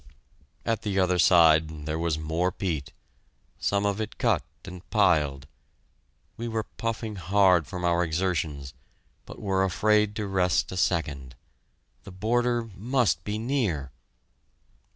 At the other side there was more peat, some of it cut and piled. We were puffing hard from our exertions, but were afraid to rest a second. The border must be near!